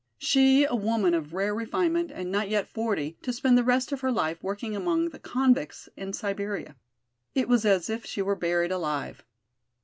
She, a woman of rare refinement and not yet forty, to spend the rest of her life working among the convicts in Siberia. It was as if she were buried alive!